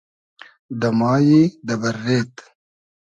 دۂ مایی دۂ بئررېد